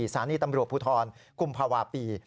สถานีตำรวจภูทรกุมภาวะปี